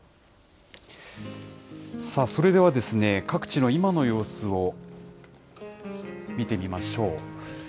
さあ、それでは各地の今の様子を、見てみましょう。